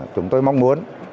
chúng tôi mong muốn